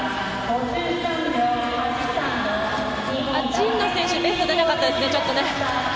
神野選手、ベスト出なかったですね、ちょっとね。